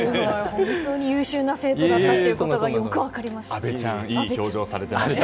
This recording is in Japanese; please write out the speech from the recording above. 本当に優秀な生徒だったことがよく分かりました。